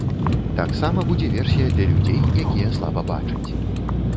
Таксама будзе версія для людзей, якія слаба бачаць.